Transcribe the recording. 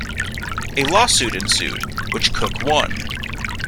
A lawsuit ensued, which Cook won.